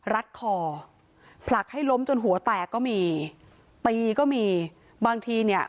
รัดคอผลักให้ล้มจนหัวแตกก็มีตีก็มีบางทีเนี่ย